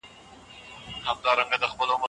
هورمونونه د ذهني روغتیا لپاره مهم دي.